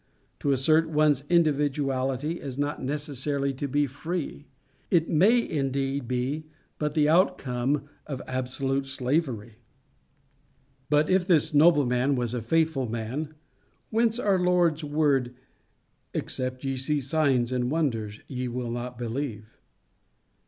To assert one's individuality is not necessarily to be free: it may indeed be but the outcome of absolute slavery. But if this nobleman was a faithful man, whence our Lord's word, "Except ye see signs and wonders ye will not believe"?